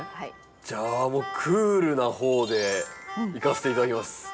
じゃあクールな方でいかせて頂きます。